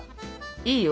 いいよ。